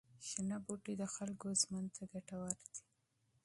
شنه بوټي د خلکو ژوند ته ګټور دي.